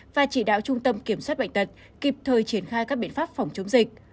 và chỉ đạo trung tâm kiểm soát bệnh tật kịp thời triển khai các biện pháp phòng chống dịch